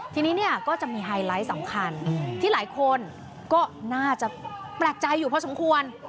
ทีนี้เนี่ยก็จะมีไฮไลท์สำคัญที่หลายคนก็น่าจะแปลกใจอยู่พอสมควร